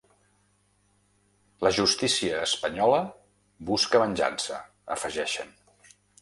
La justícia espanyola busca venjança, afegeixen.